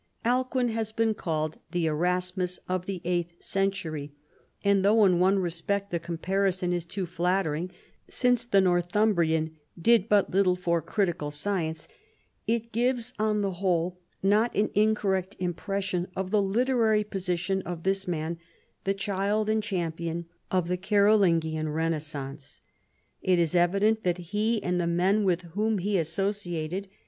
Alcuin has been called the Erasmus of the eighth century, and though in one respect the comparison is too flattering, since the Northumbrian did but little for critical science, it gives on the whole not an incorrect impression of the literary positi(m of this man, the " child and champion " of the Carolingian Renascence. It is evident that he and the men with whom he associated.